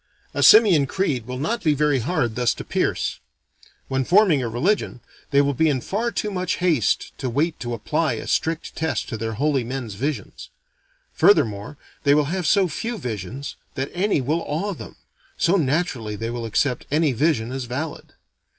A simian creed will not be very hard thus to pierce. When forming a religion, they will be in far too much haste, to wait to apply a strict test to their holy men's visions. Furthermore they will have so few visions, that any will awe them; so naturally they will accept any vision as valid.